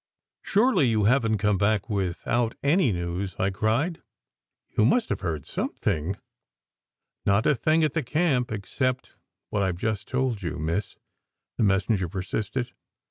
"Surely you haven t come back without any news?" I cried. "You must have heard something!" 126 SECRET HISTORY "Not a thing at the camp, except what I ve just told you, miss," the messenger persisted.